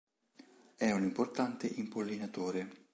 È un importante impollinatore.